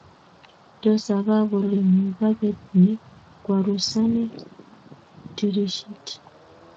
Tos aka kole mi paket ni kwarusani tirishet